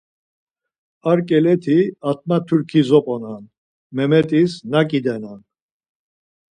Ar keleti atma turki zoponan. Memet̆iz naǩidenan.